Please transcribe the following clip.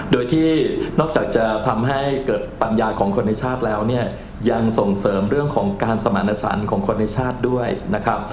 โดยที่นอกจากจะทำให้เกิดปัญญาของคนในชาติแล้วเนี่ยยังส่งเสริมเรื่องของการสมรรถสันของคนในชาติด้วยนะครับ